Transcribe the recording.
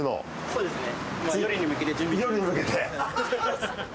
そうですね。